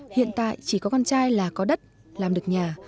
hiện tại chỉ có con trai là có đất làm được nhà